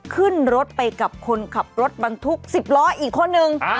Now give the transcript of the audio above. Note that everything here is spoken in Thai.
ขึ้นรถไปกับคนขับรถบรรทุก๑๐ล้ออีกคนนึง